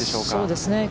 そうですね。